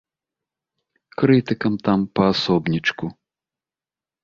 Крытыкам там па асобнічку.